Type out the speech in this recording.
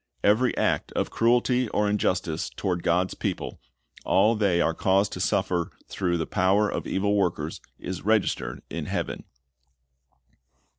Every act of cruelty or injustice toward God's people, all they are caused to suffer through the power of evil workers, is registered in heaven.